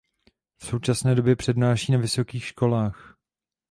V současné době přednáší na vysokých školách.